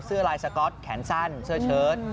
เสื้อลายสก๊อตแขนสั้นเสื้อเชิ้ต